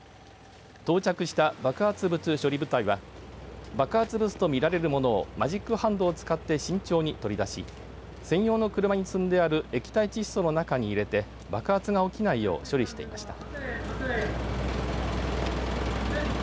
到着した爆発物処理部隊は爆発物と見られるものをマジックハンドを使って慎重に取り出し専用の車に積んである液体窒素の中に入れて爆発が起きないよう処理していました。